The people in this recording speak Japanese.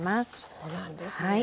そうなんですね。